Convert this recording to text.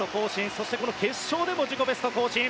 そして、この決勝でも自己ベスト更新。